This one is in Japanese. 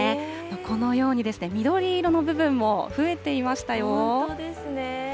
このように、緑色の部分も増えて本当ですね。